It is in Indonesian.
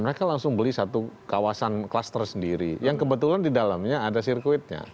mereka langsung beli satu kawasan klaster sendiri yang kebetulan di dalamnya ada sirkuitnya